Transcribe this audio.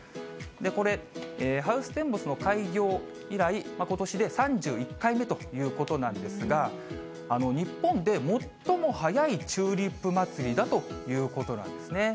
これ、ハウステンボスの開業以来、ことしで３１回目ということなんですが、日本で最も早いチューリップ祭だということなんですね。